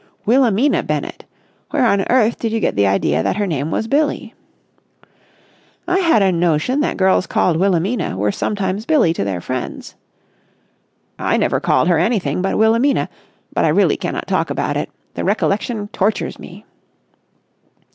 "Wilhelmina Bennett. Where on earth did you get the idea that her name was Billie?" "I had a notion that girls called Wilhelmina were sometimes Billie to their friends." "I never called her anything but Wilhelmina. But I really cannot talk about it. The recollection tortures me."